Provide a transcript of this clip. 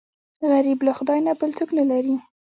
غریب له خدای نه بل څوک نه لري